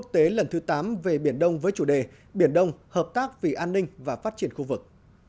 trụ đề biển đông hợp tác vì an ninh và phát triển khu vực